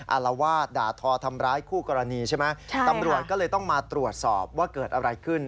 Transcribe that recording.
อารวาสด่าทอทำร้ายคู่กรณีใช่ไหมตำรวจก็เลยต้องมาตรวจสอบว่าเกิดอะไรขึ้น